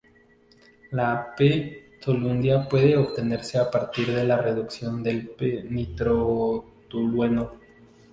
La "p"-toluidina puede obtenerse a partir de la reducción del "p"-nitrotolueno.